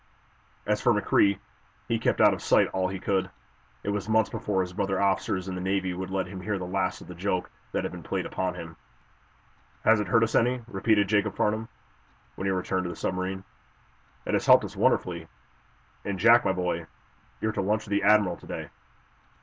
As for McCrea, he kept out of sight all he could. It was months before his brother officers in the Navy would let him hear the last of the joke that had been played upon him. "Has it hurt us any?" repeated Jacob Farnum, when he returned to the submarine. "It has helped us wonderfully. And, Jack, my boy, you're to lunch with the admiral to day!"